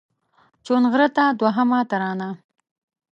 چونغرته دوهمه ترانه